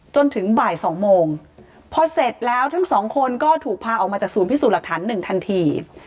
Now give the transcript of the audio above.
จนถึงบ่ายสองโมงพอเสร็จแล้วทั้งสองคนก็ถูกพาออกมาจากศูนย์พิสูจน์หลักฐานหนึ่งทันที